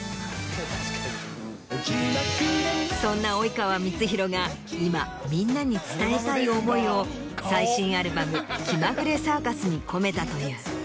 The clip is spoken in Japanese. そんな及川光博が今みんなに伝えたい思いを最新アルバム『気まぐれサーカス』に込めたという。